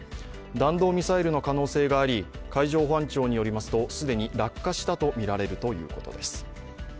弾道ミサイルの可能性があり、海上保安庁によりますと、既に落下したとみられるということです。